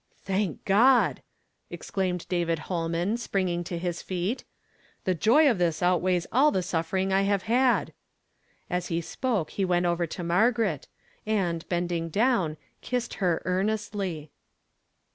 " Thank God!" exclaimed David ITolman spnnging to his feet. "The joy of this out^ weighs all the suffering I jiave had." As he spoke he went over to Margaret, ami, bending down, kissed her earnestly.